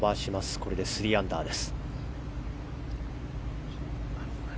これで３アンダーです。